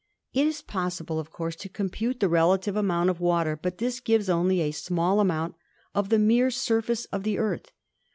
It is possible, of course, to compute the relative amount of water, but this gives only a small amount of the mere surface of the Earth.